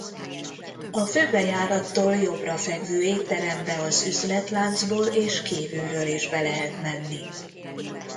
A főbejárattól jobbra fekvő étterembe az üzletláncból és kívülről is be lehet menni.